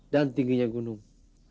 dan tingginya gunung